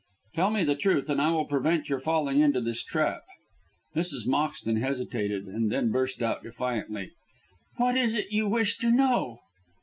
"Tell me the truth and I will prevent your falling into this trap." Mrs. Moxton hesitated, and then burst out defiantly: "What is it you wish to know?"